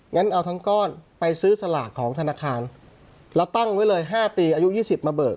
งั้นเอาทั้งก้อนไปซื้อสลากของธนาคารแล้วตั้งไว้เลย๕ปีอายุ๒๐มาเบิก